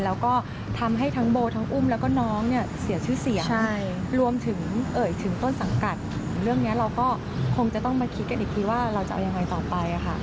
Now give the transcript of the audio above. แล้วก็ทำให้ทั้งโบทั้งอุ้มแล้วก็น้องเนี่ยเสียชื่อเสียงรวมถึงเอ่ยถึงต้นสังกัดเรื่องนี้เราก็คงจะต้องมาคิดกันอีกทีว่าเราจะเอายังไงต่อไปค่ะ